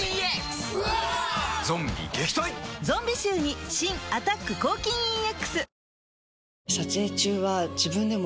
ゾンビ臭に新「アタック抗菌ＥＸ」